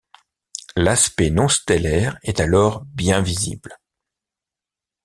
L'aspect non stellaire est alors bien visible.